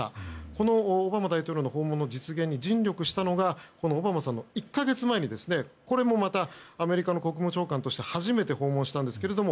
このオバマ大統領の訪問の実現に尽力したのがオバマさんの１か月前にこれもまたアメリカの国務長官として初めて訪問したんですけど